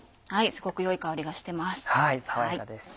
すごく良い香りがしてます。